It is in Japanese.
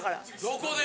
どこで？